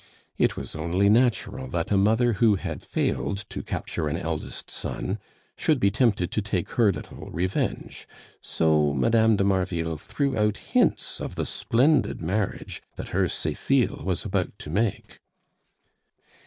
It was only natural that a mother who had failed to capture an eldest son should be tempted to take her little revenge; so Mme. de Marville threw out hints of the splendid marriage that her Cecile was about to make.